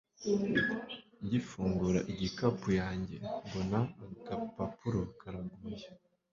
ngifungura igikapu yanjye mbona agapapuro karaguye